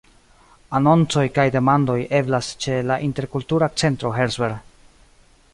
Anoncoj kaj demandoj eblas ĉe la Interkultura Centro Herzberg.